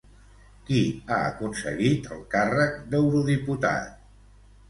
Qui ha aconseguit el càrrec d'eurodiputat?